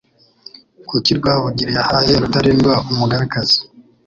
kuki Rwabugili yahaye Rutalindwa umugabekazi,